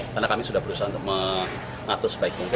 karena kami sudah berusaha untuk mengatur sebaik mungkin